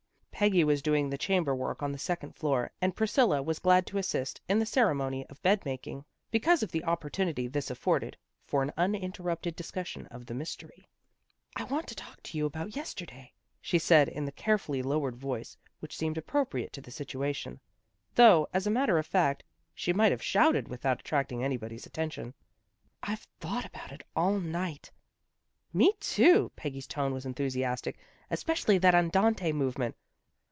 Peggy was doing the chamber work on the second floor, and Priscilla was glad to assist in the ceremony of bed making, because of the opportunity this afforded for an uninterrupted discussion of the mystery. 255 256 THE GIRLS OF FRIENDLY TERRACE " I want to talk with you about yesterday," she said in the carefully lowered voice which seemed appropriate to the situation, though, as a matter of fact, she might have shouted without attracting anybody's attention. " I've thought about it all night." " Me, too! " Peggy's tone was enthusiastic. " Especially that andante movement."